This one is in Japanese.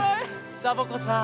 サボ子さん